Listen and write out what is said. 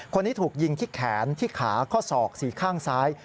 คนนี้ถูกยิงที่แขนที่ขาข้อศอกสี่ข้างซ้าย